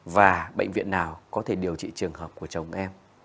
và bệnh viện nào có thể điều trị trường hợp của chồng em